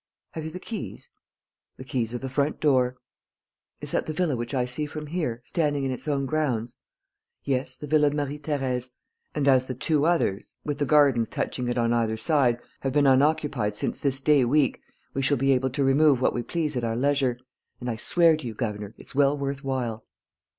"Have you the keys?" "The keys of the front door." "Is that the villa which I see from here, standing in its own grounds?" "Yes, the Villa Marie Thérèse; and as the two others, with the gardens touching it on either side, have been unoccupied since this day week, we shall be able to remove what we please at our leisure; and I swear to you, governor, it's well worth while."